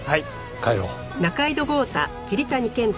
帰ろう。